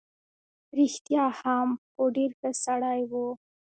رښتیا هم، خو ډېر ښه سړی وو.